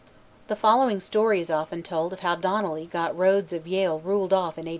The following story is often told of how Donnelly got Rhodes of Yale ruled off in '89.